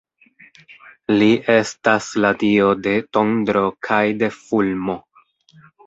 Li estas la dio de tondro kaj de fulmo.